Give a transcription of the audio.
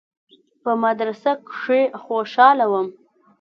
په مدرسه کښې خوشاله وم.